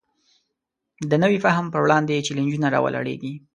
د نوي فهم پر وړاندې چلینجونه راولاړېږي.